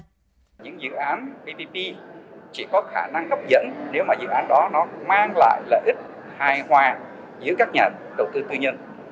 tuy nhiên dự án ppp chỉ có khả năng hấp dẫn nếu dự án đó mang lại lợi ích hài hòa giữa các nhà đầu tư tư nhân